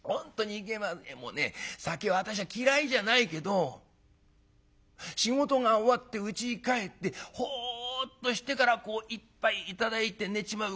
もうね酒は私は嫌いじゃないけど仕事が終わってうちに帰ってほっとしてからこう一杯頂いて寝ちまう。